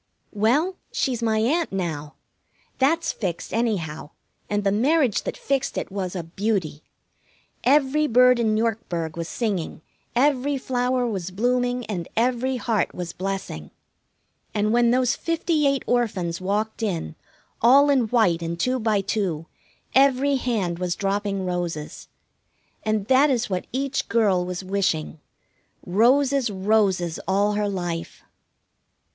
Well, she's my Aunt now. That's fixed, anyhow, and the marriage that fixed it was a beauty. Every bird in Yorkburg was singing, every flower was blooming, and every heart was blessing; and when those fifty eight orphans walked in, all in white and two by two, every hand was dropping roses. And that is what each girl was wishing: Roses, roses all her life!